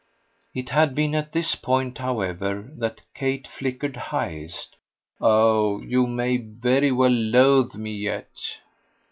It had been at this point, however, that Kate flickered highest. "Oh you may very well loathe me yet!"